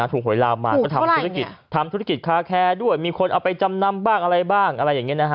ถูกหวยลาวมาทำธุรกิจคาแครด้วยมีคนเอาไปจำนำบ้างอะไรอย่างนี้